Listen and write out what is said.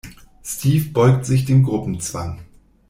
Steve beugt sich dem Gruppenzwang.